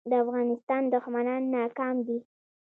د افغانستان دښمنان ناکام دي